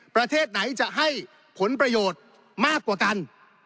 ประเทศไหนจะให้ผลประโยชน์มากกว่ากัน